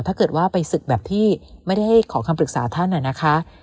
ถ้าเกิดว่าไปศึกแบบที่ไม่ได้ให้ขอคำปรึกษาท่านนะคะ